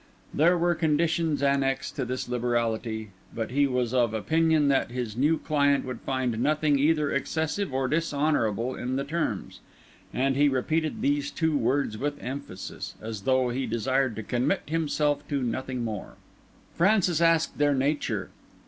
There were conditions annexed to this liberality, but he was of opinion that his new client would find nothing either excessive or dishonourable in the terms; and he repeated these two words with emphasis, as though he desired to commit himself to nothing more. Francis asked their nature.